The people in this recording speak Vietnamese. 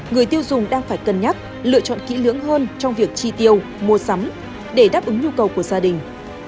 người tiêu dùng đang phải cân nhắc lựa chọn kỹ lưỡng hơn trong việc chi tiêu mua sắm để đáp ứng nhu cầu của gia đình